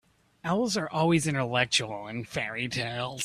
Owls are always intellectual in fairy-tales.